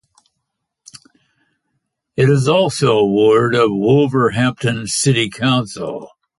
It is also a ward of Wolverhampton City Council.